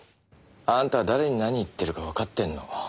あんた誰に何言ってるかわかってんの？